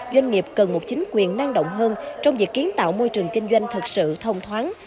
doanh nghiệp cần một chính quyền năng động hơn trong việc kiến tạo môi trường kinh doanh thật sự thông thoáng